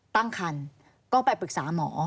ตั้งคันก็ไปปรึกษาหมอ